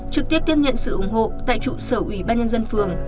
trực tiếp tiếp nhận sự ủng hộ tại trụ sở ubndtq